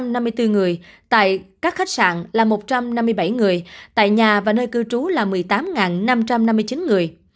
sáu trăm năm mươi bốn người tại các khách sạn là một trăm năm mươi bảy người tại nhà và nơi cư trú là một mươi tám năm trăm năm mươi chín người